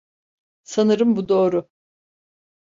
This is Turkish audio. Sanırım bu doğru.